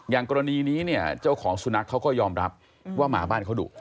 กรณีนี้เนี่ยเจ้าของสุนัขเขาก็ยอมรับว่าหมาบ้านเขาดุ